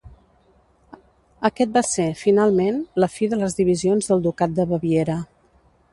Aquest va ser, finalment, la fi de les divisions del ducat de Baviera.